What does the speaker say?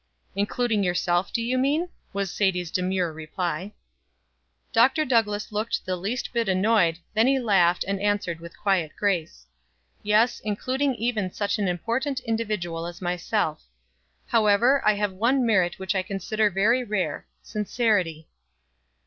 "Including yourself, do you mean?" was Sadie's demure reply. Dr. Douglass looked the least bit annoyed; then he laughed, and answered with quiet grace: "Yes, including even such an important individual as myself. However, I have one merit which I consider very rare sincerity."